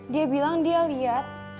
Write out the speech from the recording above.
dia bilang dia liat